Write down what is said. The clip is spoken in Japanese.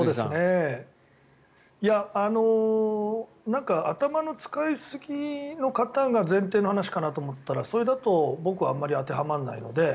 なんか頭の使いすぎの方が前提の話かと思ったらそれだと僕はあまり当てはまらないので。